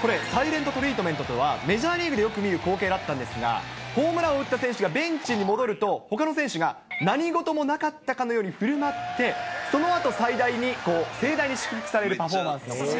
これ、サイレントトリートメントとは、メジャーリーグでよく見る光景だったんですが、ホームランを打った選手がベンチに戻ると、ほかの選手が何事もなかったかのようにふるまって、そのあと、盛大に祝福されるパフォーマンスです。